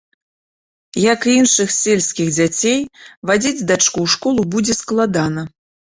Як і іншых сельскіх дзяцей, вадзіць дачку ў школу будзе складана.